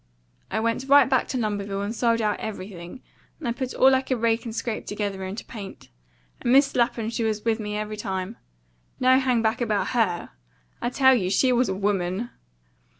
"I went right back to Lumberville and sold out everything, and put all I could rake and scrape together into paint. And Mis' Lapham was with me every time. No hang back about HER. I tell you she was a WOMAN!"